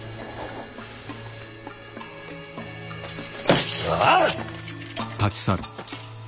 くそ！